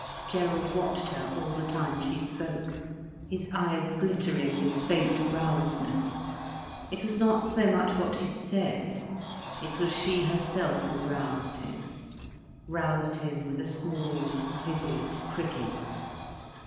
Gerald watched her all the time she spoke, his eyes glittering with faint rousedness. It was not so much what she said; it was she herself who roused him, roused him with a small, vivid pricking.